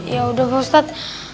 ya udah pak ustadz